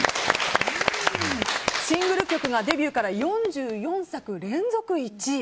シングル曲がデビューから４４作連続１位。